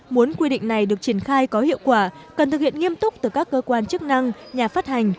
muốn quy định này được triển khai có hiệu quả cần thực hiện nghiêm túc từ các cơ quan chức năng nhà phát hành